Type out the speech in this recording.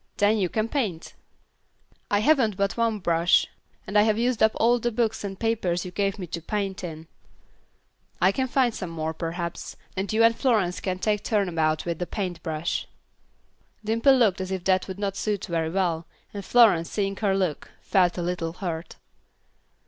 Then you can paint." "I haven't but one brush, and I have used up all the books and papers you gave me to paint in." "I can find some more, perhaps, and you and Florence can take turn about with the paint brush." Dimple looked as if that would not suit very well, and Florence seeing her look, felt a little hurt.